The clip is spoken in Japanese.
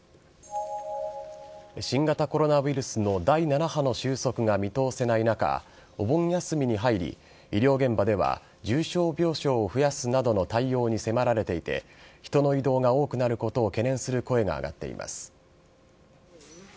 新型コロナウイルスの第７波の収束が見通せない中お盆休みに入り、医療現場では重症病床を増やすなどの対応に迫られていて人の移動が多くなることを懸念する声が上がっています。